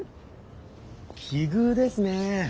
奇遇ですね。